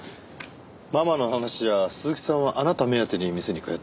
ママの話じゃ鈴木さんはあなた目当てに店に通ったって。